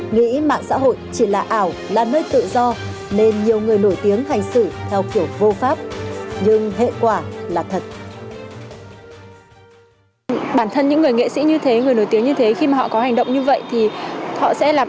nghĩ mạng xã hội chỉ là ảo là nơi tự do nên nhiều người nổi tiếng hành xử theo kiểu vô pháp